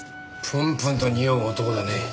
プンプンとにおう男だねぇ。